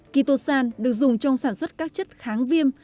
kitosan được dùng trong sản xuất các chất kháng viêm